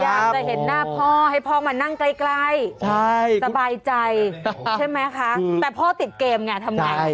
อยากจะเห็นหน้าพ่อให้พ่อมานั่งใกล้สบายใจใช่ไหมคะแต่พ่อติดเกมไงทำไง